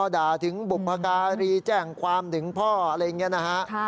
ด่าถึงบุพการีแจ้งความถึงพ่ออะไรอย่างนี้นะฮะ